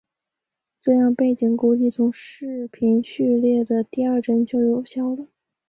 这样背景估计从视频序列的第二帧就有效了。